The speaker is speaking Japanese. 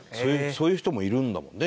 そういう人もいるんだもんね？